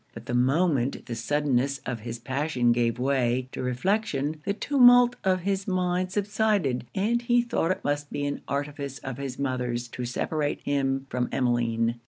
But the moment the suddenness of his passion gave way to reflection, the tumult of his mind subsided, and he thought it must be an artifice of his mother's to separate him from Emmeline.